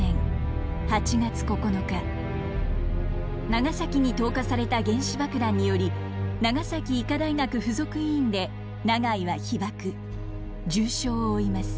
長崎に投下された原子爆弾により長崎医科大学附属医院で永井は被爆重傷を負います。